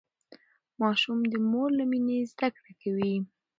ماشوم د مور له مينې زده کړه کوي.